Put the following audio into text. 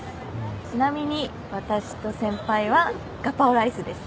ちなみに私と先輩はガパオライスです。